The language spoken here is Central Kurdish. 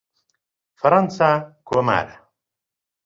فەرەنسا کۆمارە.